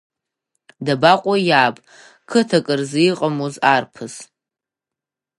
Дабаҟоу иаб, қыҭак рзы иҟамлоз арԥыс.